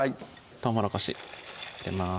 とうもろこし入れます